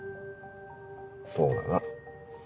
そうだな。